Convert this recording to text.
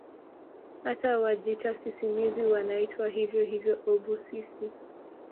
Hata Wajita sisimizi wanaitwa hivyo hivyo obhusisi